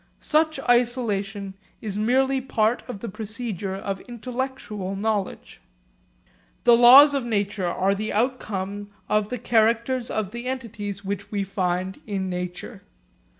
Such isolation is merely part of the procedure of intellectual knowledge. The laws of nature are the outcome of the characters of the entities which we find in nature.